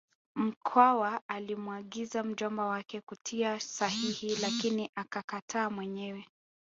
Mkwawa alimuagiza mjomba wake kutia sahihi lakini akakataa mwenyewe